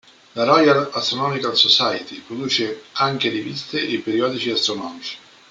La Royal Astronomical Society produce anche riviste e periodici astronomici.